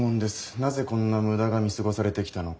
なぜこんな無駄が見過ごされてきたのか。